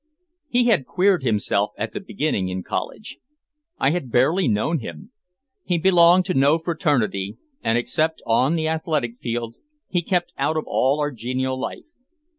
He had "queered" himself at the beginning in college. I had barely known him. He belonged to no fraternity, and except on the athletic field he kept out of all our genial life.